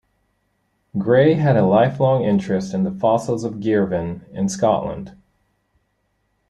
Gray had a lifelong interest in the fossils of Girvan in Scotland.